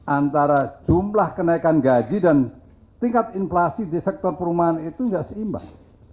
antara jumlah kenaikan gaji dan tingkat inflasi di sektor perumahan itu tidak seimbang